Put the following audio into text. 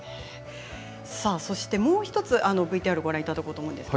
そしてもう１つＶＴＲをご覧いただこうと思います。